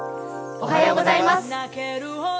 おはようございます。